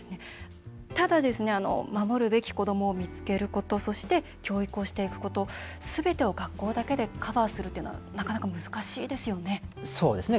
ただ、守るべき子どもを見つけることそして、教育をしていくことすべてを学校だけでカバーするというのはそうですね。